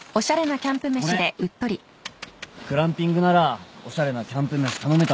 グランピングならおしゃれなキャンプ飯頼めたんだけど。